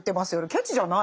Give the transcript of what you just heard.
ケチじゃない！